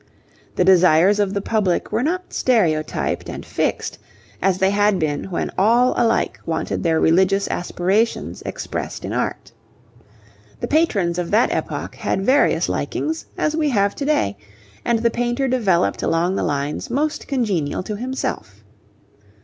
The desires of the public were not stereotyped and fixed, as they had been when all alike wanted their religious aspirations expressed in art. The patrons of that epoch had various likings, as we have to day, and the painter developed along the lines most congenial to himself.